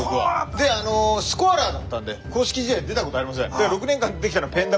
であのスコアラーだったんで公式試合出たことありません。